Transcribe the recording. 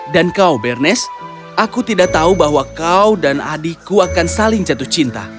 dan kau bernes aku tidak tahu bahwa kau dan adikku akan saling jatuh sakit